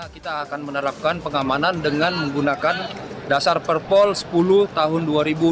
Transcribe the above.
kita akan menerapkan pengamanan dengan menggunakan dasar perpol sepuluh tahun dua ribu dua puluh